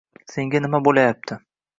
Senga nima bo`layapti